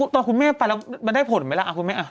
ตอนคุณแม่ไปแล้วมันได้ผลไหมล่ะคุณแม่